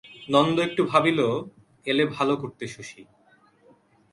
নন্দ একটু ভাবিল, এলে ভালো করতে শশী।